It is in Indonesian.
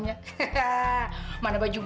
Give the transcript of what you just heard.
cuma kamu harus panggil aku